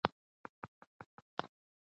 د لیکوالانو او فرهنګي خلکو وژنې رد شوې دي.